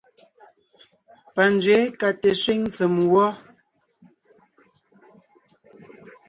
Panzwě ka te sẅíŋ tsèm wɔ.